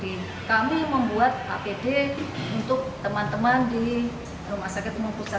kami membuat apd untuk teman teman di rumah sakit umum pusat